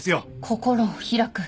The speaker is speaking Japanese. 心を開く。